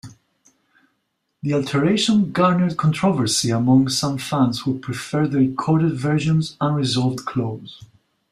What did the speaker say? The alteration garnered controversy among some fans who preferred the recorded version's unresolved close.